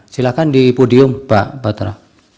silahkan di podium pak batra